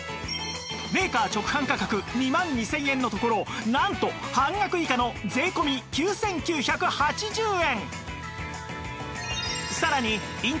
メーカー直販価格２万２０００円のところなんと半額以下の税込９９８０円！